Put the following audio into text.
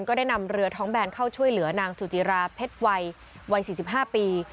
ก็ได้นำเรือท้องแบนเข้าช่วยเหลือนางสุจิราเพชรวัยวัย๔๕ปี